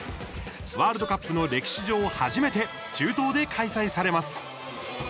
ワールドカップの歴史上初めて、中東で開催されます。